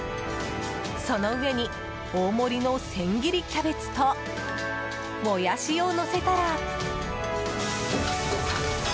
その上に大盛りの千切りキャベツとモヤシをのせたら。